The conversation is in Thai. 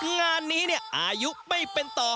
งานนี้เนี่ยอายุไม่เป็นต่อ